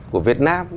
của việt nam